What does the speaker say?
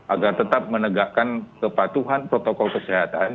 agar tetap menegakkan kepatuhan protokol kesehatan